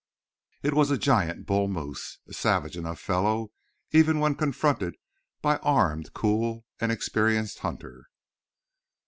It was a giant bull moose, a savage enough fellow even when confronted by an armed, cool and experienced hunter.